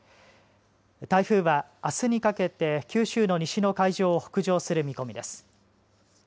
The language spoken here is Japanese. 台風はあすにかけて九州の西の海上を北上する見込みです。